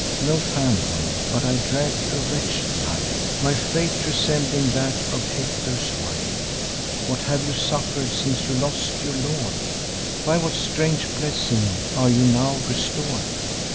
No phantom; but I drag a wretched life, My fate resembling that of Hector's wife. What have you suffer'd since you lost your lord? By what strange blessing are you now restor'd?